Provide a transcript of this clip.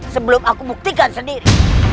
sebelum aku buktikan sendiri